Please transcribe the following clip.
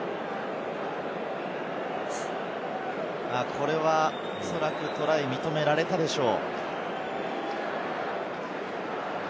これはおそらくトライが認められたでしょう。